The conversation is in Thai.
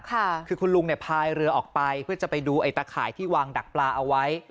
คือคุณลุงเนี่ยพายเรือออกไปเพื่อจะไปดูไอ้ตะข่ายที่วางดักปลาเอาไว้